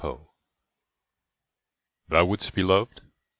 OSGOOD Thou wouldst be loved?